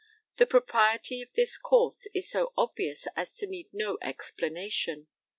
The propriety of this course is so obvious as to need no explanation.